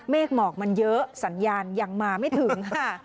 หมอกมันเยอะสัญญาณยังมาไม่ถึงค่ะ